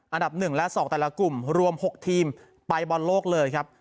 อันดับ๑และ๒แต่ละกลุ่มรวม๖ทีมไปบอลโลกเลยครับ